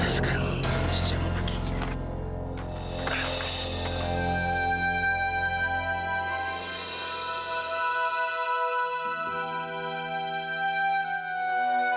sekarang saya mau pergi